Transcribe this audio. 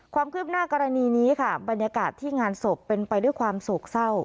ความคืบหน้ากรณีนี้ค่ะบรรยากาศที่งานศพเป็นไปด้วยความโศกเศร้า